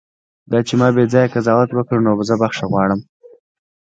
دا چې ما بیځایه قضاوت وکړ، نو زه بښنه غواړم.